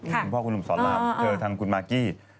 คุณพ่อคุณลุมสอหรับทางคุณมากกี้